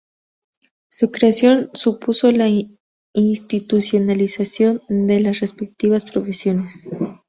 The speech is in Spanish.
Su creación supuso la institucionalización de las respectivas profesiones.